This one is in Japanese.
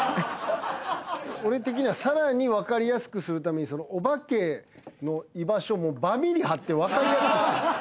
俺的にはさらにわかりやすくするためにお化けの居場所もバミリ貼ってわかりやすくする。